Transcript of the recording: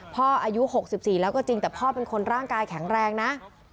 อายุ๖๔แล้วก็จริงแต่พ่อเป็นคนร่างกายแข็งแรงนะ